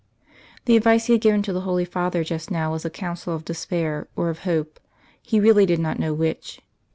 The advice he had given to the Holy Father just now was a counsel of despair, or of hope; he really did not know which.